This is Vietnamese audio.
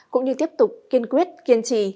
cũng như tiếp tục kiên quyết kiên trì